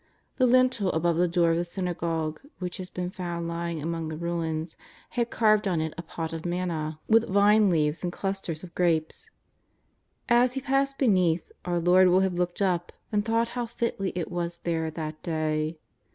The lintel above the door of the synagogue — ^^^hich has been found lying among ihe ruins — had carved on it a pot of manna with vine leaves and clusters of grapes. As He passed beneath, our Lord will have looked up and thought how fitly it was there that day.